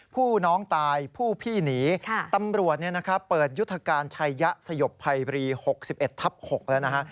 ผู้น้องตายผู้พี่หนีตำรวจเนี่ยนะครับเปิดยุทธการชัยยะสยบไพรี๖๑ทับ๖แล้วนะฮะ